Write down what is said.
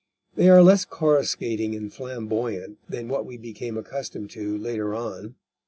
They are less coruscating and flamboyant than what we became accustomed to later on.